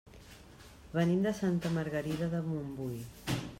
Venim de Santa Margarida de Montbui.